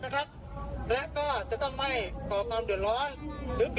ครับครับ